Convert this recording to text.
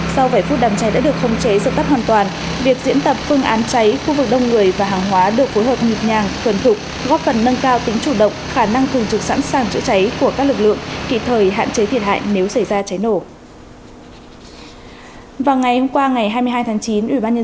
sau vài phút đám cháy đã được khống chế dập tắt hoàn toàn việc diễn tập phương án cháy khu vực đông người và hàng hóa được phối hợp nhịp nhàng thuần thục góp phần nâng cao tính chủ động khả năng thường trực sẵn sàng chữa cháy của các lực lượng kỳ thời hạn chế thiệt hại nếu xảy ra cháy nổ